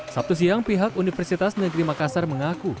sabtu siang pihak universitas negeri makassar mengaku